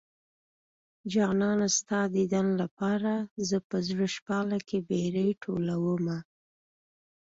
جانانه ستا ديدن لپاره زه په زړه شپاله کې بېرې ټولومه